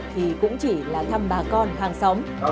thì cũng chỉ là thăm bà con hàng xóm